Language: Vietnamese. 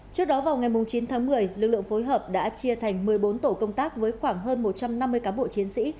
trước đó vào ngày chín tháng một mươi lực lượng phối hợp đã chia thành một mươi bốn tổ công tác với khoảng hơn một trăm năm mươi cán bộ chiến sĩ